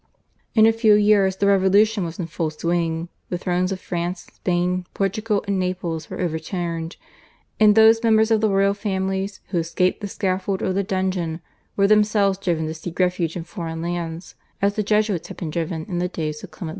In a few years the Revolution was in full swing; the thrones of France, Spain, Portugal and Naples were overturned, and those members of the royal families, who escaped the scaffold or the dungeon, were themselves driven to seek refuge in foreign lands, as the Jesuits had been driven in the days of Clement XIV.